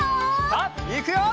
さあいくよ！